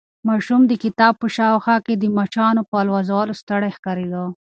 ماشوم د کباب په شاوخوا کې د مچانو په الوزولو ستړی ښکارېده.